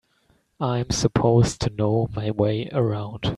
I'm supposed to know my way around.